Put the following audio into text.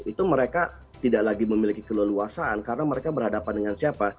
itu mereka tidak lagi memiliki keleluasaan karena mereka berhadapan dengan siapa